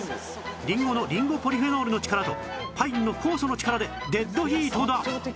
りんごのリンゴポリフェノールの力とパインの酵素の力でデッドヒートだ